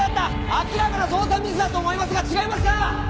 明らかな捜査ミスだと思いますが違いますか！？